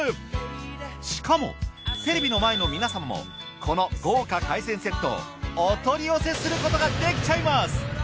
しかもテレビの前の皆さんもこの豪華海鮮セットをお取り寄せすることができちゃいます。